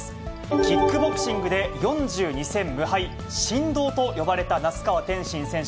キックボクシングで４２戦無敗、神童と呼ばれた那須川天心選手。